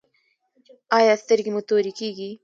ایا سترګې مو تورې کیږي؟